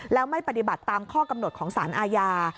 แล้วไม่ปฏิบัติตามข้อกำหนดของสารอาญา